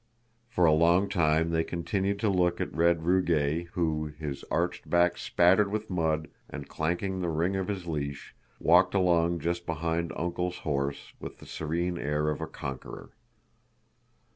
For a long time they continued to look at red Rugáy who, his arched back spattered with mud and clanking the ring of his leash, walked along just behind "Uncle's" horse with the serene air of a conqueror.